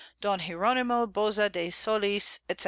Don. Hieronimo Boza de Solis, &c.